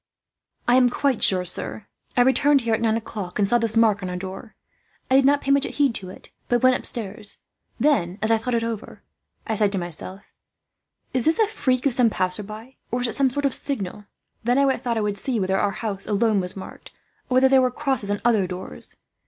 "I am quite sure, sir. I returned here at nine o'clock, and saw this mark on our door. I did not pay much heed to it, but went upstairs. Then, as I thought it over, I said to myself, 'Is this a freak of some passerby, or is it some sort of signal?' Then I thought I would see whether our house alone was marked, or whether there were crosses on other doors.